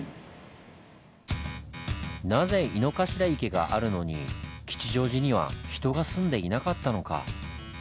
なぜ井の頭池があるのに吉祥寺には人が住んでいなかったのか？